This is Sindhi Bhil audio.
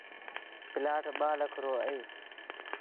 پلآٽ ٻآ لک رو اهي۔